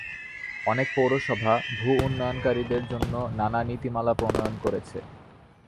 অনেক পৌরসভা ভূ-উন্নয়নকারীদের জন্য নানা নীতিমালা প্রণয়ন করেছে।